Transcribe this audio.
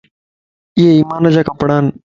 ايي ايمان جا ڪپڙان